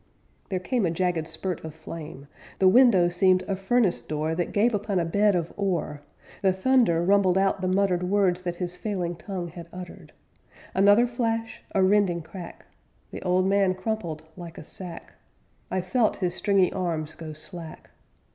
'_ There came a jagged spurt of flame; The window seemed a furnace door That gave upon a bed of ore; The thunder rumbled out the muttered Words that his failing tongue had uttered Another flash, a rending crack The old man crumpled like a sack; I felt his stringy arms go slack.